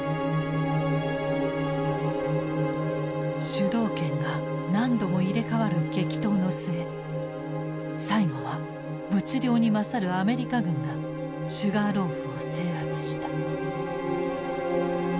主導権が何度も入れ代わる激闘の末最後は物量に勝るアメリカ軍がシュガーローフを制圧した。